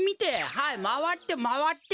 はいまわってまわって！